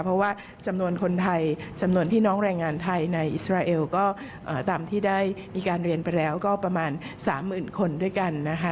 เพราะว่าจำนวนคนไทยจำนวนพี่น้องแรงงานไทยในอิสราเอลก็ตามที่ได้มีการเรียนไปแล้วก็ประมาณ๓๐๐๐คนด้วยกันนะคะ